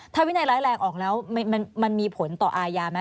ถ้าวินัยร้ายแรงออกแล้วมันมีผลต่ออายาไหม